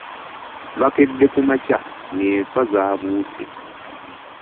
Bakedde ku makya ng'enswa zaabuuse.